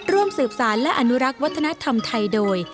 ร่วมสืบสารและอนุรักษ์วัฒนธรรมไทยโดย